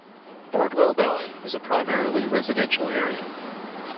Bardwell Valley is a primarily residential area.